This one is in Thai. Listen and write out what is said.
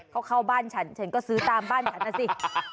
เขาเข้าบ้านฉันฉันก็ซื้อตามบ้านฉันนะสิ